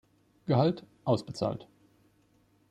Gehalt, ausbezahlt.